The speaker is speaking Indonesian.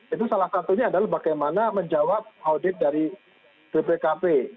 itu salah satunya adalah bagaimana menjawab audit dari bpkp